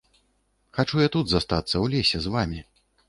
Хачу я тут застацца ў лесе з вамі.